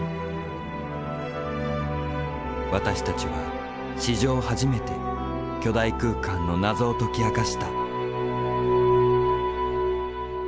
私たちは史上初めて巨大空間の謎を解き明かした。